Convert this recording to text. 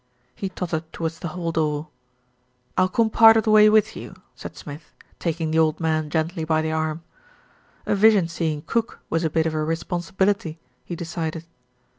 He tottered towards the hall door. "I'll come part of the way with you," said Smith, taking the old man gently by the arm. A vision seeing cook was a bit of a responsibility, he decided.